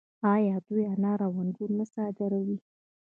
آیا دوی انار او انګور نه صادروي؟